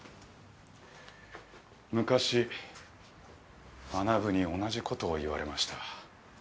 昔マナブに同じことを言われました。